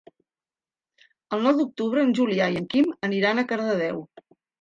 El nou d'octubre en Julià i en Quim aniran a Cardedeu.